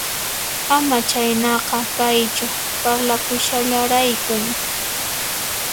Ama chayhinaqa kaychu, parlakushallaraykun